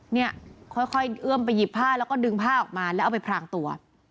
เนี่ยค่อยเอื้อมไปหยิบผ้าแล้วก็ดึงผ้าออกมาแล้วเอาไปพรางตัว